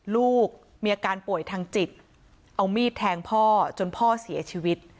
ลูกมีอาการป่วยทางจิตเอามีดแทงพ่อจนพ่อเสียชีวิต